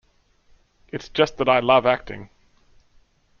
It's just that I love acting.